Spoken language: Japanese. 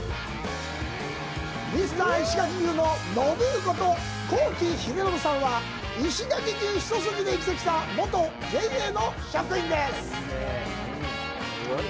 ミスター石垣牛ののぶーこと、幸喜英信さんは、石垣牛一筋で生きてきた元ＪＡの職員です。